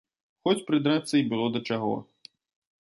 Хоць прыдрацца і было да чаго.